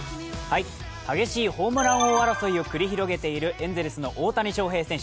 激しいホームラン王争いを繰り広げているエンゼルスの大谷翔平選手。